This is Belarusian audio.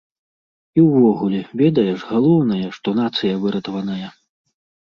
І ўвогуле, ведаеш, галоўнае, што нацыя выратаваная.